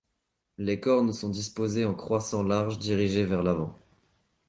Les cornes sont disposées en croissant large dirigé vers l'avant.